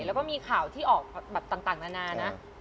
แล้วก็มีข่าวที่ออกแบบต่างนานานะ